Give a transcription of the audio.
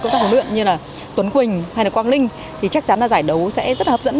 các huấn luyện như là tuấn quỳnh hay là quang linh thì chắc chắn là giải đấu sẽ rất hấp dẫn